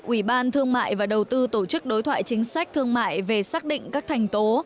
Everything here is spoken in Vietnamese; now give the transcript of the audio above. ủy ban thương mại và đầu tư tổ chức đối thoại chính sách thương mại về xác định các thành tố